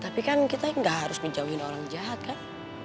tapi kan kita gak harus menjamin orang jahat kan